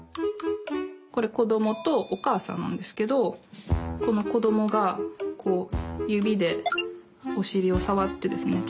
これ子どもとお母さんなんですけどこの子どもがこう指でおしりを触ってですね